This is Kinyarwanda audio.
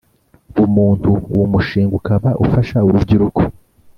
Bumuntu uwo mushinga ukaba ufasha urubyiruko